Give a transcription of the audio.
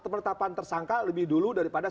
penetapan tersangka lebih dulu daripada